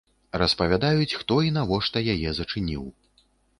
Распавядаюць, хто і навошта яе зачыніў.